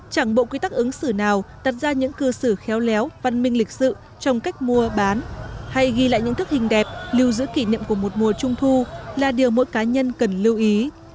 chẳng bộ quy tắc ứng xử nào đặt ra những cư xử khéo léo văn minh lịch sự trong cách mua bán hay ghi lại những thức hình đẹp lưu giữ kỷ niệm của một mùa trung thu là điều mỗi cá nhân cần lưu ý